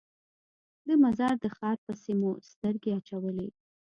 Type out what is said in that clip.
د مزار د ښار پسې مو سترګې اچولې.